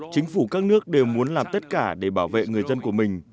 chính phủ các nước đều muốn làm tất cả để bảo vệ người dân của mình